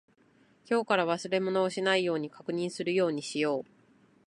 今日から忘れ物をしないように確認するようにしよう。